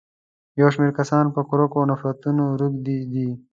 يو شمېر کسان په کرکو او نفرتونو روږدي دي.